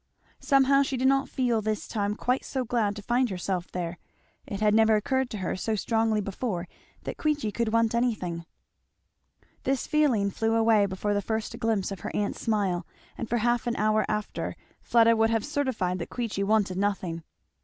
Somehow she did not feel this time quite so glad to find herself there. It had never occurred to her so strongly before that Queechy could want anything. This feeling flew away before the first glimpse of her aunt's smile, and for half an hour after Fleda would have certified that Queechy wanted nothing.